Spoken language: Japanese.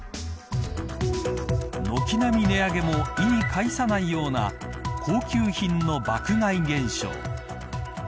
軒並み値上げも意に介さないような高級品の爆買い現象。